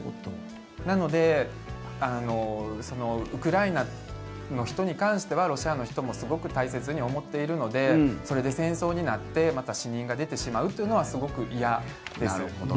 なのでウクライナの人に関してはロシアの人もすごく大切に思っているのでそれで戦争になってまた死人が出てしまうというのはすごく嫌です。